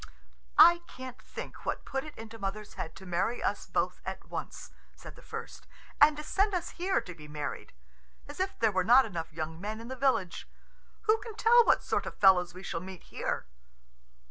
"I can't think what put it into mother's head to marry us both at once," said the first, "and to send us here to be married. As if there were not enough young men in the village. Who can tell what sort of fellows we shall meet here!"